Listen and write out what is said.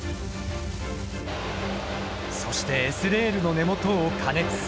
そしてＳレールの根元を加熱。